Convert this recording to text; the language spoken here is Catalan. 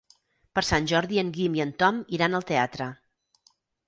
Per Sant Jordi en Guim i en Tom iran al teatre.